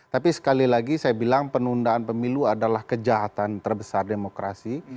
tapi sekali lagi saya bilang penundaan pemilu adalah kejahatan terbesar demokrasi